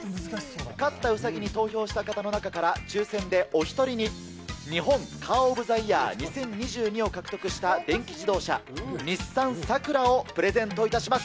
勝ったうさぎに投票した人の中から、抽せんでお１人に、日本カー・オブ・ザ・イヤー２０２２を獲得した電気自動車、日産サクラをプレゼントいたします。